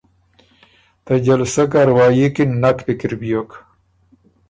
ته جلسه کاروايي کی ن نک پِکِر بیوک